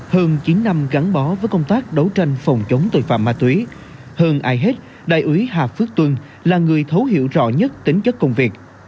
hơn chín năm gắn bó với công tác đấu tranh phòng chống tội phạm ma túy hơn ai hết đại úy hà phước tuân là người thấu hiểu rõ nhất tính chất công việc